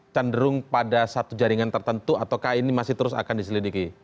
cenderung pada satu jaringan tertentu ataukah ini masih terus akan diselidiki